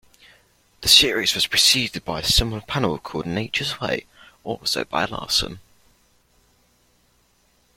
The series was preceded by a similar panel called "Nature's Way", also by Larson.